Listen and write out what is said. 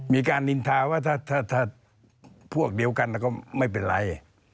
มีการนินทาว่าถ้าพวกเดียวกันก็ไม่เป็นไร